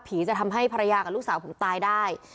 จะทำให้ภรรยากับลูกสาวผมตายได้